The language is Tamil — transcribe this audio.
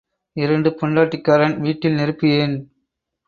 இரண்டு பெண்டாட்டிக்காரன் வீட்டில் நெருப்பு ஏன்?